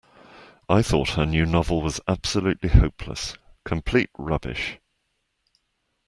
I thought that her new novel was absolutely hopeless. Complete rubbish